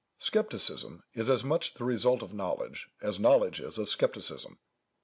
Scepticism is as much the result of knowledge, as knowledge is of scepticism.